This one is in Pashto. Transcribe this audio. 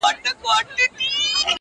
• یوه ورځ ورته ناڅا په مرګی ګوري -